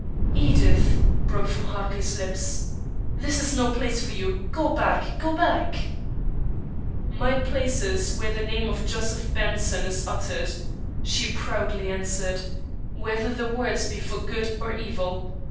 "Edith!" broke from Hartley's lips. "This is no place for you! Go back! go back!" "My place is where the name of Joseph Benson is uttered," she proudly answered, "whether the words be for good or evil.